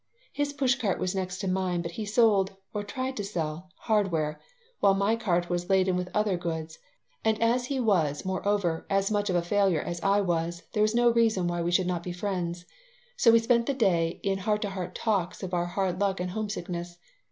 His push cart was next to mine, but he sold or tried to sell hardware, while my cart was laden with other goods; and as he was, moreover, as much of a failure as I was, there was no reason why we should not be friends. So we would spend the day in heart to heart talks of our hard luck and homesickness.